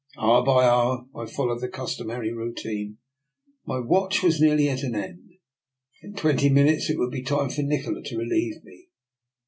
Hour by hour I followed the customary routine. My watch was nearly at an end. In twenty minutes it would be time for Nikola to relieve me.